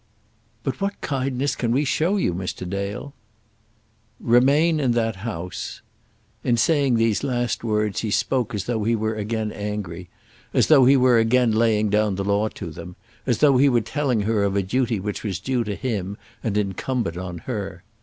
"But what kindness can we show you, Mr. Dale?" "Remain in that house." In saying these last words he spoke as though he were again angry, as though he were again laying down the law to them, as though he were telling her of a duty which was due to him and incumbent on her.